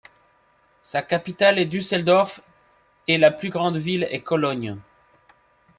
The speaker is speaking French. Sa capitale est Düsseldorf et la plus grande ville est Cologne.